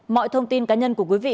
mọi thông tin cá nhân của quý vị